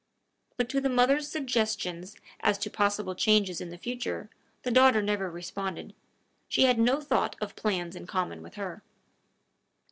But to the mother's suggestions as to possible changes in the future, the daughter never responded: she had no thought of plans in common with her.